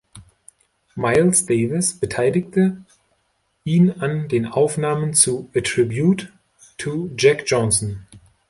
Miles Davis beteiligte ihn an den Aufnahmen zu "A Tribute to Jack Johnson".